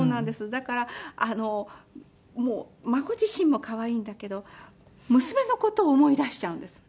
だから孫自身も可愛いんだけど娘の事を思い出しちゃうんです。